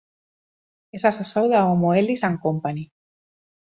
És assessor de Moelis and Company.